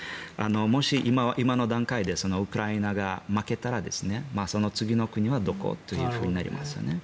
もし今の段階でウクライナが負けたらその次の国はどこ？となりますよね。